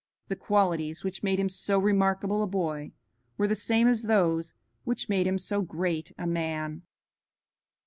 The qualities which made him so remarkable a boy were the same as those which made him so great a man.